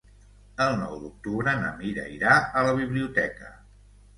El nou d'octubre na Mira irà a la biblioteca.